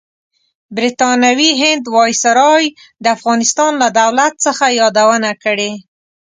برطانوي هند وایسرای د افغانستان لۀ دولت څخه یادونه کړې.